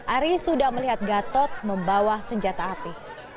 arisuta melihat gatot membawa senjata api